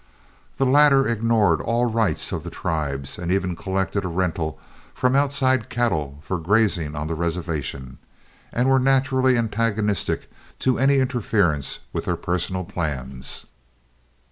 The latter ignored all rights of the tribes, and even collected a rental from outside cattle for grazing on the reservation, and were naturally antagonistic to any interference with their personal plans.